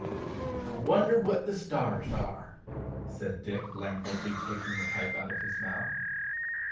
"I wonder what the stars are," said Dick, languidly taking the pipe out of his mouth.